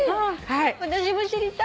私も知りたい。